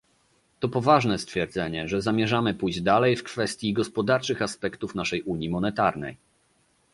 To poważne stwierdzenie, że zamierzamy pójść dalej w kwestii gospodarczych aspektów naszej unii monetarnej